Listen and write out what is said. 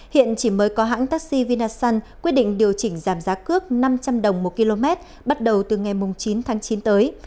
hiện chỉ mới có hãng taxi vinasun quyết định điều chỉnh giảm giá cước năm trăm linh đồng một km bắt đầu từ ngày chín tháng chín tới